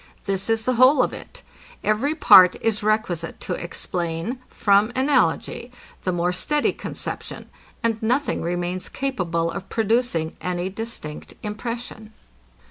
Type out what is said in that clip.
This is the whole of it. Every part is requisite to explain, from analogy, the more steady conception; and nothing remains capable of producing any distinct impression.